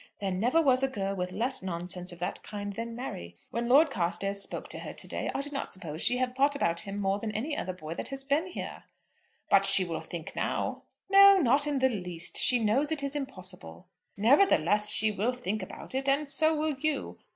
There never was a girl with less nonsense of that kind than Mary. When Lord Carstairs spoke to her to day I do not suppose she had thought about him more than any other boy that has been here." "But she will think now." "No; not in the least. She knows it is impossible." "Nevertheless she will think about it. And so will you."